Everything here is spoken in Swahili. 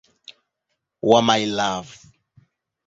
wa "My Love".